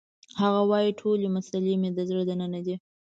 هغه وایی ټولې مسلې مې د زړه دننه دي